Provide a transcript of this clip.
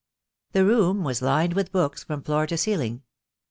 The room was lined with books from floor to ceiling.